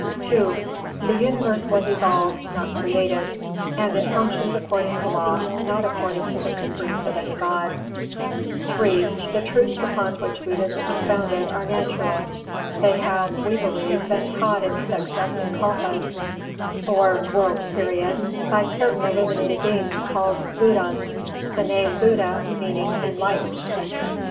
II The universe was evolved, not created; and its functions according to law, not according to the caprice of any God. III The truths upon which Buddhism is founded are natural. They have, we believe, been taught in successive kalpas, or world periods, by certain illuminated beings called BUDDHAS, the name BUDDHA meaning "Enlightened".